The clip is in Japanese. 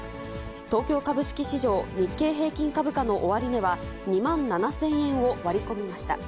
東京株式市場、日経平均株価の終値は、２万７０００円を割り込みました。